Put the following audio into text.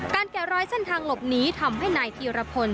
แกะรอยเส้นทางหลบหนีทำให้นายธีรพล